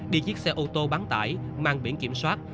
đi chiếc xe ô tô bán tải mang biển kiểm soát